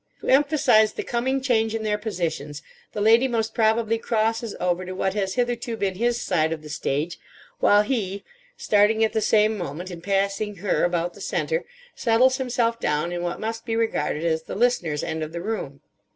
To emphasise the coming change in their positions, the lady most probably crosses over to what has hitherto been his side of the stage; while he, starting at the same moment, and passing her about the centre, settles himself down in what must be regarded as the listener's end of the room.